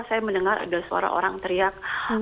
saya mendengar ada suara orang teriak